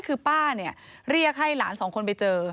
คือป้าเนี่ยเรียกให้หลานสองคนไปเจอ